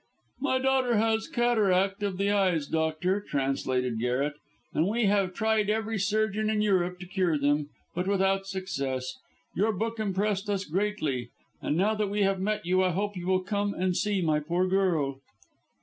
"My daughter has cataract of the eyes, doctor," translated Garret, "and we have tried every surgeon in Europe to cure them, but without success. Your book impressed us greatly, and now that we have met you I hope you will come and see my poor girl."